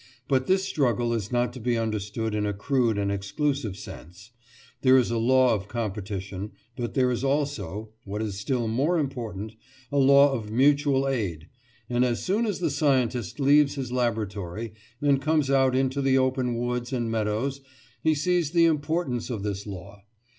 But this struggle is not to be understood in a crude and exclusive sense; there is a law of competition, but there is also—what is still more important—a law of mutual aid, and as soon as the scientist leaves his laboratory, and comes out into the open woods and meadows, he sees the importance of this law.